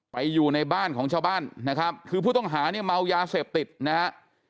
อยู่ในบ้านของชาวบ้านนะครับคือผู้ต้องหาเนี่ยเมายาเสพติดนะฮะ